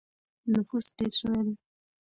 نفوس ډېر شوی دی.